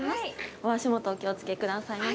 お足元お気をつけくださいませ。